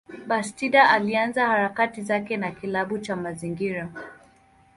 Bastida alianza harakati zake na kilabu cha mazingira.